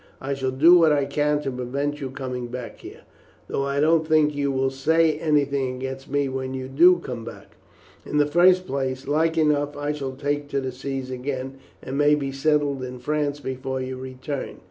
I shall do what I can to prevent you coming back here, though I don't think you will say anything against me when you do come back. In the first place, like enough I shall take to the sea again, and may be settled in France before you return.